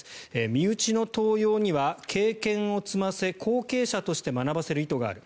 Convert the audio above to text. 身内の登用には経験を積ませ後継者として学ばせる意図がある。